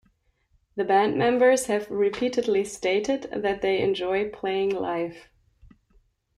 The band members have repeatedly stated that they enjoy playing live.